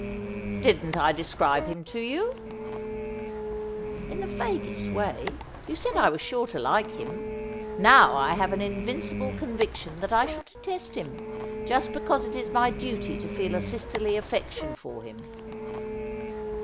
' Didn't I describe him to you ?'' In the vaguest way. You said I was sure to like him. Now I have an invincible conviction that I shall detest him ; just because it is my duty to feel a sisterly affection for him.'